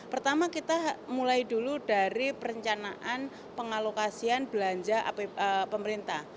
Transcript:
pertama kita mulai dulu dari perencanaan pengalokasian belanja pemerintah